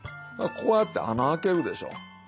こうやって穴開けるでしょ。